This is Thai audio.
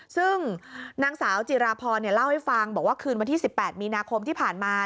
ซึ่งนางสาวจิราพรเล่าให้ฟังบอกว่าคืนวันที่๑๘มีนาคมที่ผ่านมา